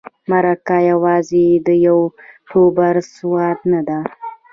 مرکه یوازې د یوټوبر سودا نه ده.